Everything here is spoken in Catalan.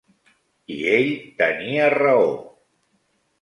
I ell tenia raó.